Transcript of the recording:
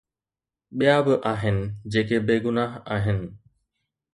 ٻيا به آهن جيڪي بيگناهه آهن.